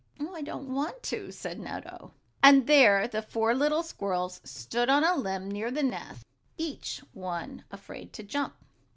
"Oh, I don't want to," said Nutto. And there the four little squirrels stood on the limb near the nest, each one afraid to jump.